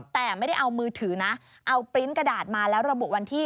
แต่ไม่ได้เอามือถือนะเอาปริ้นต์กระดาษมาแล้วระบุวันที่